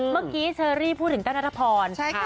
เมื่อกี้เชอรี่พูดถึงแก้วนาธพรใช่ค่ะ